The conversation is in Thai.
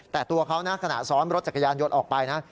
แต่ตัวเขานะขณะซ้อนรถจักรยานยนต์ออกไปนะ